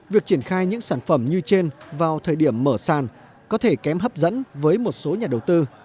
việc triển khai những sản phẩm như trên vào thời điểm mở sàn có thể kém hấp dẫn với một số nhà đầu tư